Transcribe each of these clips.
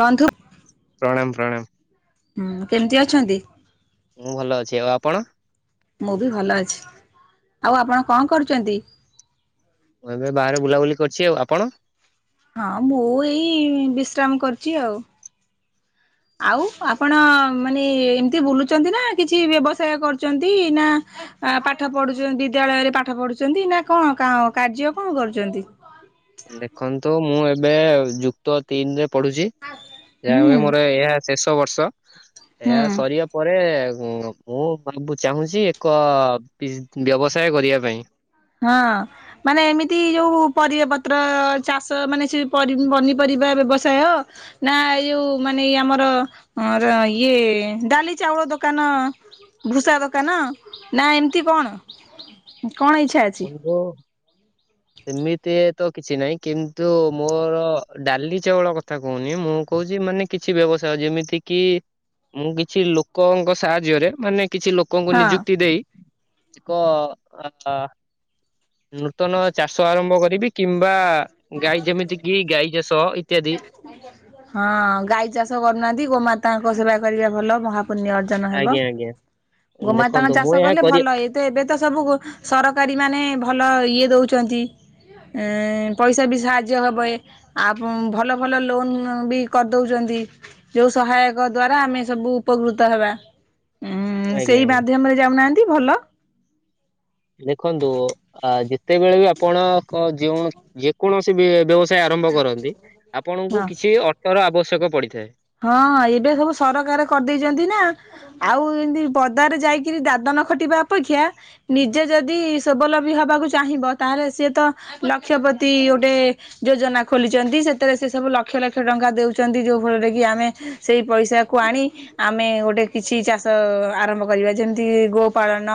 ବନ୍ଧୁ ପ୍ରଣାମ ପ୍ରଣାମ। ହୁଁ କେମିତି ଅଛନ୍ତି? ମୁଁ ଭଲ ଅଛି ଆଉ ଆପଣ? ମୁଁ ବି ଭଲ ଅଛି ଆଉ ଆପଣ କଣ କରୁଚନ୍ତି? ମୁଁ ଏବେ ବାହାରେ ବୁଲାବୁଲି କରିଛି ଆଉ ଆପଣ? ହଁ ମୁଁ ଏଇ ବିଶ୍ରାମ କରିୁଚି ଆଉ। ଆଉ ଆପଣ ମାନେ ଏମିତି ବୁଲୁଚନ୍ତି ନା କିଛି ବ୍ୟବସାୟ କରୁଚନ୍ତି ନା ଆ ପାଠ ପଢୁଚନ୍ତି ବିଦ୍ୟାଳୟରେ ପାଠ ପଢୁଚନ୍ତି ନା କଣ କ କାର୍ଯ୍ୟ କଣ କରୁଚନ୍ତି? ଦେଖନ୍ତୁ ମୁଁ ଏବେ ଯୁକ୍ତ ତିନରେ ପଢୁଛି ହୁଁ ଯାହା ମୋର ଏହା ଶେଷ ବର୍ଷ ଏହା ହୁଁ। ସରିବା ପରେ ମୁଁ ମୁଁ ଭାବୁଚି ଚାହୁଁଛି ଏକ ବି ଆ ବ୍ୟବସାୟ କରିବା ପାଇଁ। ହଁ ମାନେ ଏମିତି ଯୋଉ ପରିବା ପତ୍ର ଚାଷ ମାନେ ସେ ପରି ପନିପରିବା ବ୍ୟବସାୟ ନା ଏ ଯୋଉ ମାନେ ଆମର ଇଏ ଡାଲି, ଚାଉ ଫଳ ଦୋକାନ ଭୂଷା ଦୋକାନ ନା ଏମତି କଣ କଣ ଏଇଚି [unintelligible] [unintelligible] ସେମିତି ତ କିଛି ନାହିଁ କିନ୍ତୁ ମୋର ଡାଲି, ଚାଉଳ କଥା କହୁନି ମୁଁ କହୁ ଯେ ମାନେ କିଛି ବ୍ୟବସାୟ ଯେମିତି କି ମୁଁ କିଛି ଲୋକଙ୍କ ସାହାଯ୍ୟରେ ମାନେ କିଛି ଲୋକଙ୍କୁ ହଁ ନିଯୁକ୍ତି ଦେଇ ଏକ ଆ ନୂତନ ଚାଷ ଆରମ୍ଭ କରିବି କିମ୍ବା ଗାଈ ଯେମିତି କି ଗାଈ ଚାଷ ଏଇ ହଁ ଗାଈ ଚାଷ କରୁନାହାନ୍ତି ଗୋମାତାଙ୍କ ସେବା କରିବା ଭଲ ମହା ପୁଣ୍ୟ ଅର୍ଜନ ହେବ। ଆଜ୍ଞା ଆଜ୍ଞା ଗୋମାତାଙ୍କ ଦେଖନ୍ତୁ ମୁଁ ଚାଷ ଏହା କଲେ କରି ଭଲ ଏଇତ ଏବେ ତ ସବୁ ସରକାରୀ ମାନେ ଭଲ କିଏ ଦଉଚନ୍ତି ପଇସା ବି ସାହାଯ୍ୟ ହବ ଏ ଆଉ ଭଲ ଭଲ ଲୋନ୍ ବି କରିଦଉଚନ୍ତି ଯଉ ସଵୁ ସହାୟକ ଦ୍ଵାରା ଆମେ ସବୁ ଉପକୃତ ହେବା। ଉଁ ଆଜ୍ଞା ସେଇ ଆଜ୍ଞା ମାଧ୍ୟମରେ ଯାଉନାହାନ୍ତି ଭଲ। ଦେଖନ୍ତୁ ଆ ଯେତେବେଳେ ବି ଆପଣଙ୍କ ଯେଉଁ ଯେକୌଣସି ବି ବ୍ୟବସାୟ ଆରମ୍ଭ କରନ୍ତି ଆପଣଙ୍କୁ ହଁ। କିଛି ଅଟୋର ଆବଶ୍ୟକ ପଡିଥାଏ। ହଁ ଏବେ ସବୁ ସରକାର କରିଦେଇଛନ୍ତି ନା ଆଉ ଏମିତି ପଦାରେ ଯାଇକିରି ଦାଦାମ ନ ଖଟିବା ଅପେକ୍ଷା ନିଜେ ଯଦି ସବଲମ୍ବୀ ହବାକୁ ଚାହିଁଵ ତାହେଲେ ସିଏ ତ ଲକ୍ଷ ଲକ୍ଷ ପ୍ରତି ଗୋଟେ ଯୋଜନା ଖୋଲିଚନ୍ତି ସେଥିରେ ସେ ସବୁ ଲକ୍ଷ ଲକ୍ଷ ଟଙ୍କା ଦେଉଚନ୍ତି ଯୋଉ ଫଳରେ କି ଆମେ ସେଇ ପଇସାକୁ ଆଣି ଆମେ ଗୋଟେ କିଛି ଚାଷ ଆରମ୍ଭ କରିବା ଯେମିତି କି ଗୋ ପାାଳନ,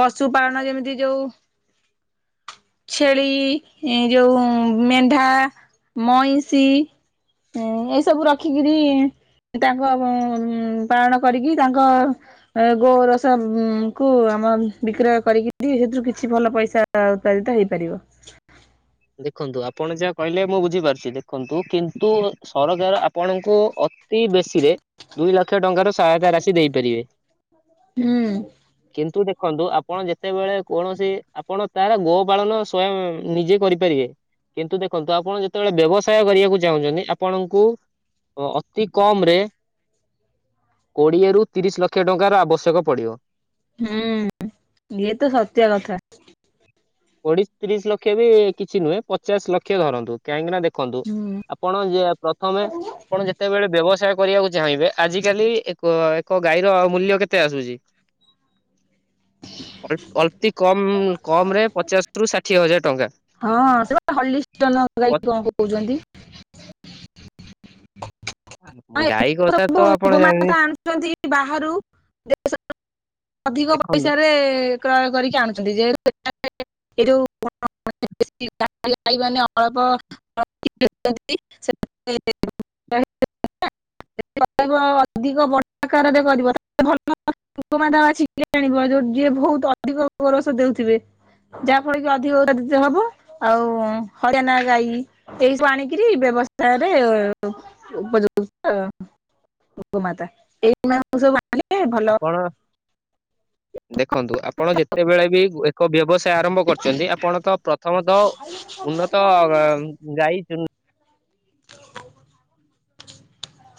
ପଶୁ ପାାଳନ ଯେମିତି ଯୋଉ ଛେଳି ଏ ଯୋଉ ମେଣ୍ଢା ମଇଁଷି ଏଇ ସବୁ ରଖିକିରି ତାଙ୍କ ପାଳନ କରିକି ତାଙ୍କ ଗୋରସ କୁ ଆମ ବିକ୍ରୟ କରିକିରି ସେଥିରୁ କିଛି ଭଲ ପଇସା ଉତ୍ପାଦିତ ହେଇପାରିବ। ଦେଖନ୍ତୁ ଆପଣ ଯାହା କହିଲେ ମୁଁ ବୁଝିପାରୁଛି ଦେଖନ୍ତୁ କିନ୍ତୁ ସରକାର ଆପଣଙ୍କୁ ଅ ଅତି ବେଶୀରେ ଦୁଇ ଲକ୍ଷ ଟଙ୍କାର ସହାୟତା ରାଶି ଦେଇପାରିବେ। ହୁଁ। କିନ୍ତୁ ଦେଖନ୍ତୁ ଆପଣ ଯେତେବେଳେ କୌଣସି ଆପଣ ତାର ଗୋ ପାଳନ ସ୍ଵୟଂ ନିଜେ କରି ପାରିବେ କିନ୍ତୁ ଦେଖନ୍ତୁ ଆପଣ ଯେତେବେଳେ ବ୍ୟବସାୟ କରିବାକୁ ଚାହୁଁଛନ୍ତି ଆପଣଙ୍କୁ ଓ ଅତି କମ ରେ କୋଡିଏରୁ, ତିରିଶ ଲକ୍ଷ ଟଙ୍କାର ଆବଶ୍ୟକ ପଡ଼ିବ। ହୁଁ ଇଏ ତ ସତ୍ୟ କଥା। କୋଡ଼ିଏ, ତିରିଶ ଲକ୍ଷ ବି କିଛି ନୁହେଁ ପଚାଶ ଲକ୍ଷ ଧରନ୍ତୁ। କାହିଁକି ନା ଦେଖ ଦେଖନ୍ତୁ ହୁଁ। ଆପଣ ଯେ ପ୍ରଥମେ ଆପଣ ଯେତେବେଳେ ବ୍ୟହସ୍ ଚେଷ୍ଟା କରିବାକୁ ଚାହିଁବେ ଆଜିିକାଲି ଏକ ଏକ ଗାଈର ମୂଲ୍ୟ କେତେ ଆସୁଛି। ଅତି କମ କମ ରେ ପଚାଶ ରୁ ଷାଠିଏ ହଜାର ଟଙ୍କା। ହଁ ସେ ହଲିଷ୍ଟନ୍ ଗାଇକି କଣ କହୁଛନ୍ତି। ହଁ ଗାଇ ହୋତ୍ ସବୁ ଗୋମାତା ଆଣୁଛନ୍ତି ବାହାରୁ ଯେତେ ସବୁ ଅଧିକ ଦେଖନ୍ତୁ ପଇସାରେ କ୍ରୟ କରିକି ଆଣୁଛନ୍ତି ଯେହେତୁ ଏ ଯୋଉ ଗଈ ମାନ ଅଳ୍ପ [unintelligible] [unintelligible] ଅଧିକ ବକାରରେ ଭଲମାତାସିକଏ ଜାଣ ଯୋଉ ଯିଏ ବହୁତ ଅଧିକ [unintelligible] ଓରଷୋ ଦେଉଥିବେ ଯାହା ଫଳ କି ଅଧିକ ଗୋରା ସବୁ ଆଉ ହରିଆଣ ଗାଈ ଏଇ ସବୁ ଆଣିକିରି ବ୍ୟବସ୍ତାରେ ଉପ ଯୁକ୍ତ ଉପ ମାତା ଏଇ ମହାପୁରୁଷ ଆପଣ ଦେଖନ୍ତୁ ଆପଣ ଯେତେବେଳେ ବି ଏକ ବ୍ୟବସା ଆରମ୍ଭ କରଛନ୍ତି ଆପଣ ତ ପ୍ରଥମତଃ ଉନ୍ନତ ଅଁ ଗାଈ [inaudible]